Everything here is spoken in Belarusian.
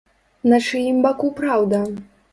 На чыім баку праўда?